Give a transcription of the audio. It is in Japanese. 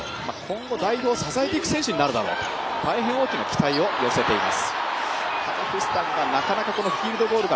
今後、代表を支えていく選手になるだろうと大きな期待を寄せています。